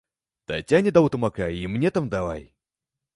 Таццяне даў тамака і мне там давай!